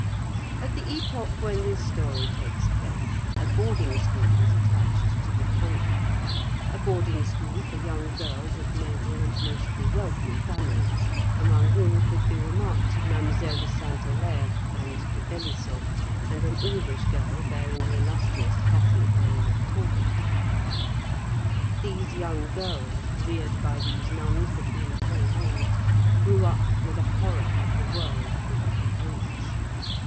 At the epoch when this story takes place, a boarding school was attached to the convent—a boarding school for young girls of noble and mostly wealthy families, among whom could be remarked Mademoiselle de Saint Aulaire and de Bélissen, and an English girl bearing the illustrious Catholic name of Talbot. These young girls, reared by these nuns between four walls, grew up with a horror of the world and of the age.